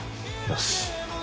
よし。